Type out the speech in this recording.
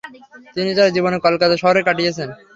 তিনি তার জীবনের কলকাতা শহরে কাটিয়েছেন।